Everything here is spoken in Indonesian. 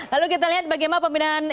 lalu kita lihat bagaimana pembelian ibu kota